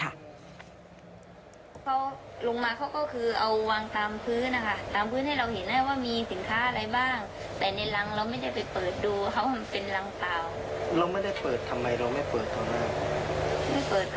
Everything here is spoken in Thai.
เขาลงมาเขาก็คือเอาวางตามพื้นนะคะ